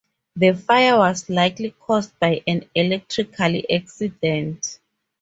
The fire was likely caused by an electrical accident.